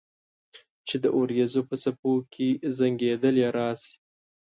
چې د اوریځو په څپو کې زنګیدلې راشي